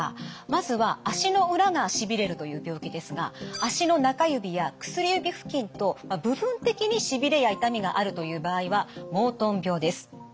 まずは足の裏がしびれるという病気ですが足の中指や薬指付近と部分的にしびれや痛みがあるという場合はモートン病です。